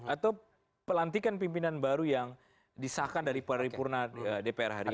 atau pelantikan pimpinan baru yang disahkan dari paripurna dpr hari ini